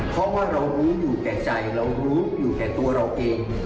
เพราะว่าเรารู้อยู่แก่ใจเรารู้อยู่แต่ตัวเราเอง